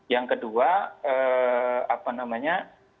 yang kedua apa namanya